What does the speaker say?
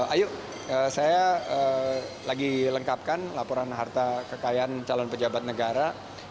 ayo saya lagi lengkapkan laporan harta kekayaan calon pejabat negara